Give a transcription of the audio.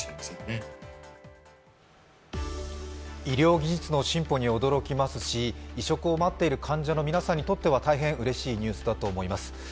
医療技術の進歩に驚きますし移植を待っている患者の皆さんにとっては大変うれしいニュースだと思います。